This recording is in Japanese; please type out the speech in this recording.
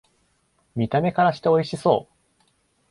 見た目からしておいしそう